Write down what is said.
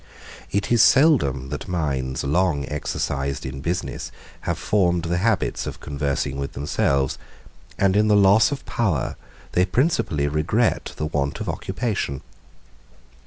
111 It is seldom that minds long exercised in business have formed any habits of conversing with themselves, and in the loss of power they principally regret the want of occupation.